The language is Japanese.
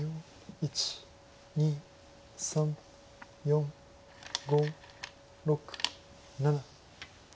１２３４５６７。